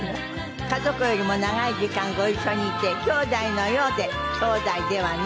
家族よりも長い時間ご一緒にいてきょうだいのようできょうだいではない。